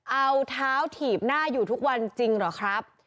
เอาเท้าถีบหน้าอยู่ทุกวันจริงเหรอครับ